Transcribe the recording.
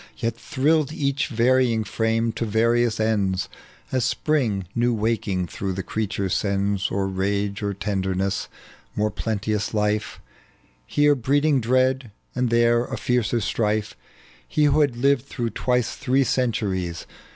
Yet tJu illed each varying frame to various ends, As Spring new waking through the creature sends Or rage or tenderness ; more plenteous life Here breeding dread, and there a fiercer strife. He who had lived through twice thjee centuries.